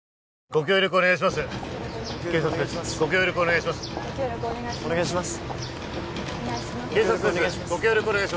ご協力お願いします